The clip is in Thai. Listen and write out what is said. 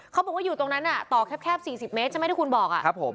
เขาบอกว่าอยู่ตรงนั้นอ่ะต่อแคบแคบสี่สิบเมตรใช่ไหมที่คุณบอกอ่ะครับผม